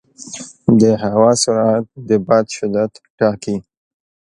د هوا سرعت د باد شدت ټاکي.